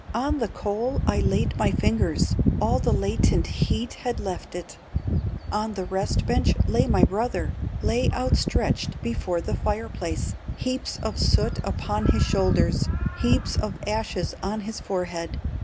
On the coal I laid my fingers, All the latent heat had left it. On the rest bench lay my brother, Lay outstretched before the fire place, Heaps of soot upon his shoulders, Heaps of ashes on his forehead.